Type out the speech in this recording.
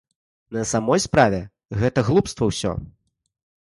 На самой справе гэта глупства ўсё.